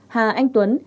bốn hà anh tuấn